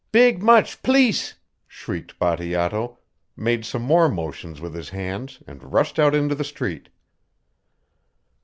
"Big much pleece!" shrieked Bateato, made some more motions with his hands and rushed out into the street.